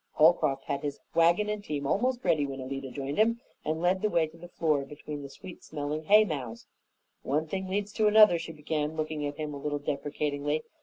Holcroft had his wagon and team almost ready when Alida joined him, and led the way to the floor between the sweet smelling hay mows. "One thing leads to another," she began, looking at him a little deprecatingly.